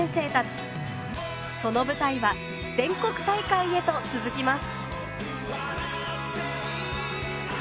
その舞台は全国大会へと続きます。